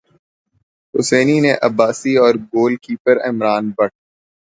حسینی نے عباسی اور goalkeeper Imran but